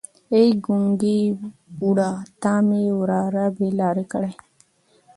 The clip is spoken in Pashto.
ای ګونګی بوډا تا مې وراره بې لارې کړی.